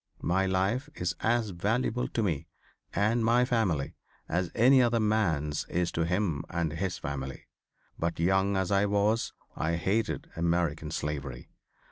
My life is as valuable to me and my family as any other man's is to him and his family. But young as I was I hated American slavery.